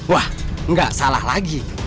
wah nggak salah lagi